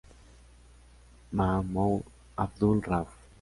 Mahmoud Abdul-Rauf